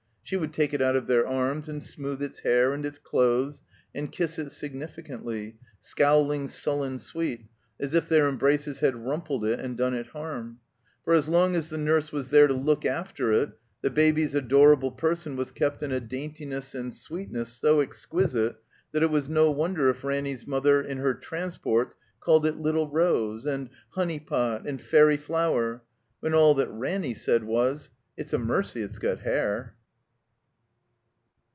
She would take it out of their arms, and smooth its hair and its clothes, and kiss it sig nificantly, scowling sullen sweet, as if their embraces had rumpled it and done it harm. For as long as the nurse was there to look after it, the Baby's ador able person was kept in a daintiness and sweetness so exquisite tha»t it was no wonder if Ranny's mother, in her transports, called it Little Rose," and "Honeypot," and '*Fairy Flower"; when all that Ranny said was, "It's a mercy it's got hair."